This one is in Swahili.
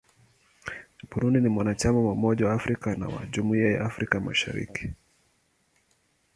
Burundi ni mwanachama wa Umoja wa Afrika na wa Jumuiya ya Afrika Mashariki.